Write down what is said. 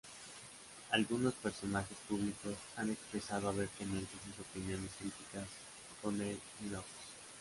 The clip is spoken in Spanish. Algunos personajes públicos han expresado abiertamente sus opiniones críticas con el "nynorsk".